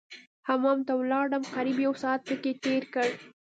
حمام ته ولاړم قريب يو ساعت مې پکښې تېر کړ.